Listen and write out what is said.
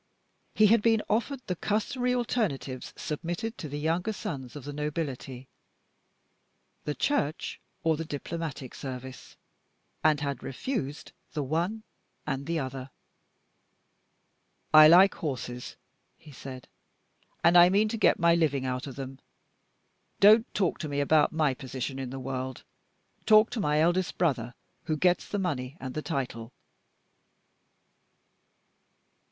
He had been offered the customary alternatives submitted to the younger sons of the nobility the Church or the diplomatic service and had refused the one and the other. "I like horses," he said, "and I mean to get my living out of them. Don't talk to me about my position in the world. Talk to my eldest brother, who gets the money and the title."